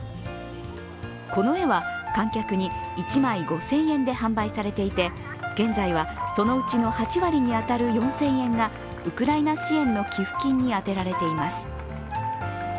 この絵は観客に１枚５０００円で販売されていて現在はそのうちの８割に当たる４０００円がウクライナ支援の寄付金に充てられています。